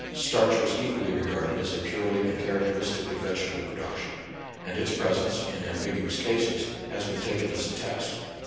Starch was equally regarded as a purely and charac teristically vegetable production ; and its pres ence, in ambiguous cases, has been taken as a test.